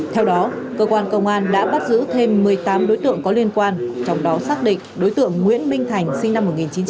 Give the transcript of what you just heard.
theo đó cơ quan công an đã bắt giữ thêm một mươi tám đối tượng có liên quan trong đó xác định đối tượng nguyễn minh thành sinh năm một nghìn chín trăm tám mươi